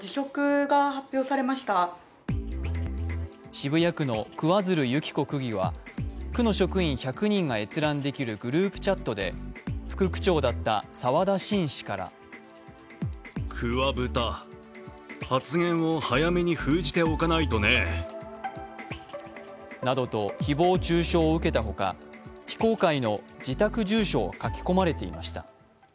渋谷区の桑水流弓紀子区議は区の職員１００人が閲覧できるグループチャットで副区長だった沢田伸氏からなどと誹謗中傷を受けたほか、非公開の自宅住所を書き込まれていました。